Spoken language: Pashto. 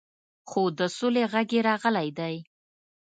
خو د سولې غږ یې راغلی دی.